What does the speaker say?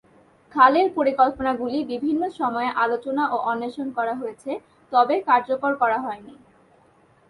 খালের পরিকল্পনাগুলি বিভিন্ন সময়ে আলোচনা ও অন্বেষণ করা হয়েছে, তবে কার্যকর করা হয়নি।